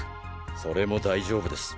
それも大丈夫です。